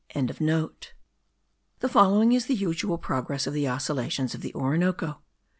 The following is the usual progress of the oscillations of the Orinoco.